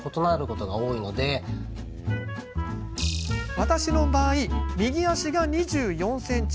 私の場合、右足が２４ｃｍ。